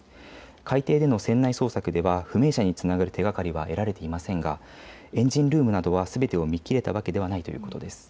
海底での船内捜索では不明者につながる手がかりは得られていませんがエンジンルームなどはすべてを見きれたわけではないということです。